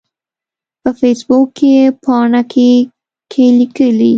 په فیسبوک پاڼه کې کې لیکلي